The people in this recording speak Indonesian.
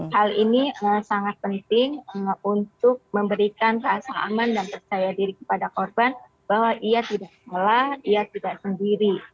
hal ini sangat penting untuk memberikan rasa aman dan percaya diri kepada korban bahwa ia tidak salah ia tidak sendiri